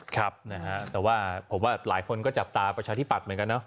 ครับนะฮะแต่ว่าผมว่าหลายคนก็จับตาประชาธิบัตย์เหมือนกันเนาะ